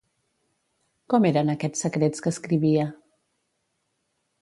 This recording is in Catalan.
Com eren aquests secrets que escrivia?